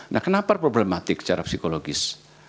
nah kenapa problematik secara psikologis